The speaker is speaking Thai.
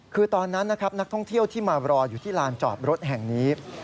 คือตอนนั้นนะครับนักท่องเที่ยวที่มารออยู่ที่ลานจอดรถแห่งนี้